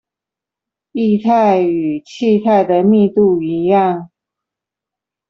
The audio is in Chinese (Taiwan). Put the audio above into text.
液態與氣態的密度一樣